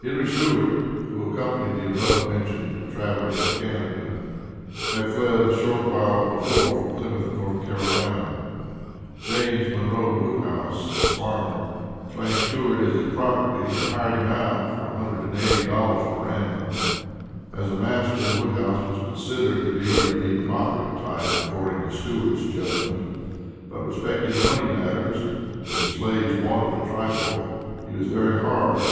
Henry Stewart, who accompanied the above mentioned traveler to Canada, had fled a short while before from Plymouth, North Carolina. James Monroe Woodhouse, a farmer, claimed Stewart as his property, and "hired him out" for $180 per annum. As a master, Woodhouse was considered to be of the "moderate" type, according to Stewart's judgment. But respecting money matters (when his slaves wanted a trifle), "he was very hard.